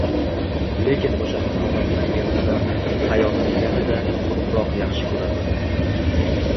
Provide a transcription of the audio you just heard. Lekin oʻsha haqoratlagan odam hayotni yanada koʻproq yaxshi koʻradi